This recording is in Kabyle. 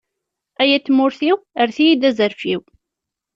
Ay at tmurt-iw, erret-iyi-d azref-iw.